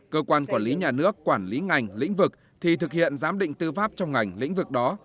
cơ quan quản lý nhà nước quản lý ngành lĩnh vực thì thực hiện giám định tư pháp trong ngành lĩnh vực đó